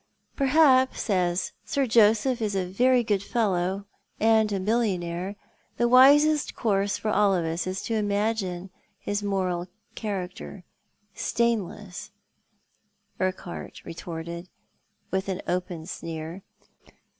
"Perhaps, as Sir Joseph is a very good fellow, and a mil lionaire, the wisest cour>se for all of us is to imagine his moral character stainless," Urquhart retorted, with an open sneer.